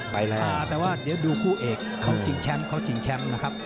ไปแล้วแต่ว่าเดี๋ยวดูคู่เอกเขาชิงแชมป์เขาชิงแชมป์นะครับ